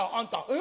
え？